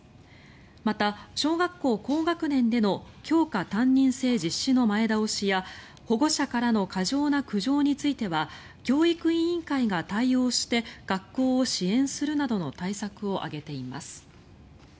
また、小学校高学年での教科担任制実施の前倒しや保護者からの過剰な苦情については教育委員会が対応して学校を支援するなどの対策を挙げています。